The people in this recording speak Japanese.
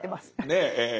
ねえ。